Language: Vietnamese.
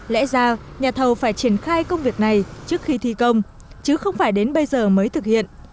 lẽ ra nhà thầu phải triển khai công việc này trước khi thi công chứ không phải đến bây giờ mới thực hiện